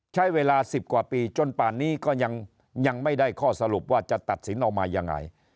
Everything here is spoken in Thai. ใช้เวลา๑๐กว่าปีจนป่านนี้ก็ยังไม่ได้ข้อสรุปว่าจะตัดสินออกมายังไง